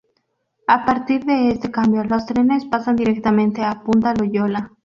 A partir de este cambio los trenes pasan directamente a Punta Loyola.